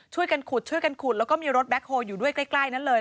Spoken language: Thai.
ช่วยกันขุดแล้วก็มีรถแบ็คโฮลอยู่ด้วยใกล้นั้นเลย